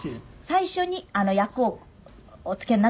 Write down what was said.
最初に役をお付けになったのはどなた？